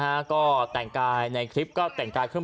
ฮะก็แต่งกายในคลิปก็แต่งกายเครื่อง